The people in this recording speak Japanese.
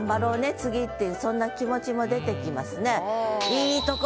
次っていうそんな気持ちも出てきますね。